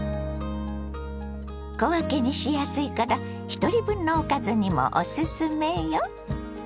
小分けにしやすいからひとり分のおかずにもオススメよ！